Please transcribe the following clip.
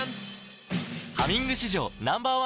「ハミング」史上Ｎｏ．１抗菌